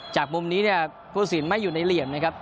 จากมุมนี้เนี่ยผู้สินไม่อยู่ในเหลี่ยมนะครับ